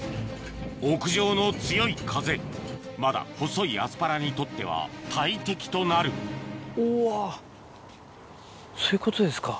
屋上の強い風まだ細いアスパラにとっては大敵となるそういうことですか。